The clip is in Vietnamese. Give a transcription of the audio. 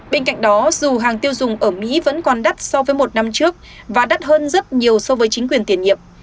bên cạnh đó dù hàng tiêu dùng ở mỹ vẫn còn đắt so với một năm trước và đắt hơn rất nhiều so với chính quyền tiền nhiệm